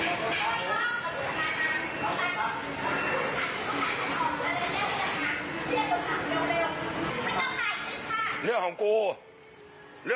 ด้วยความเคารพนะคุณผู้ชมในโลกโซเชียล